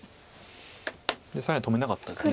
左辺止めなかったです。